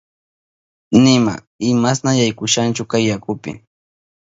Nima imashna yaykushanchu kay yakupi.